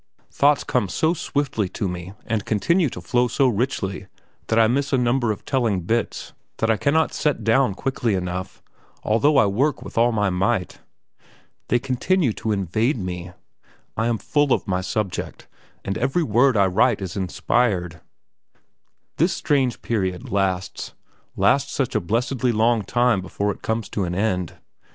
Thoughts come so swiftly to me and continue to flow so richly that I miss a number of telling bits, that I cannot set down quickly enough, although I work with all my might. They continue to invade me; I am full of my subject, and every word I write is inspired. This strange period lasts lasts such a blessedly long time before it comes to an end.